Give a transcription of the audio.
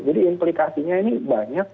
jadi implikasinya ini banyak